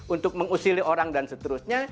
untuk mengusili orang dan seterusnya